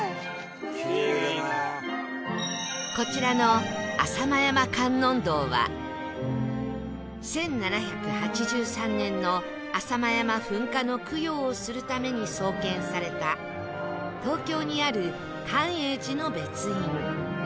こちらの浅間山観音堂は１７８３年の浅間山噴火の供養をするために創建された東京にある寛永寺の別院